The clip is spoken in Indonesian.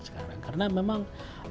sekarang karena memang